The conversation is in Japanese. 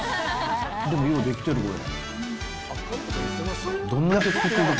でも、ようできてる、これ。